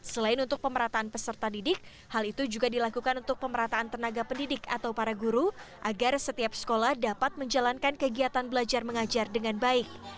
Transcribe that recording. selain untuk pemerataan peserta didik hal itu juga dilakukan untuk pemerataan tenaga pendidik atau para guru agar setiap sekolah dapat menjalankan kegiatan belajar mengajar dengan baik